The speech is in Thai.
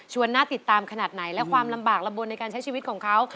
น่าติดตามขนาดไหนและความลำบากลำบลในการใช้ชีวิตของเขา